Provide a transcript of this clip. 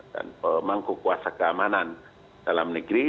dan pemangku kuasa keamanan dalam negeri